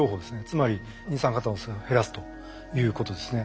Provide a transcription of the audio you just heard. つまり二酸化炭素を減らすということですね。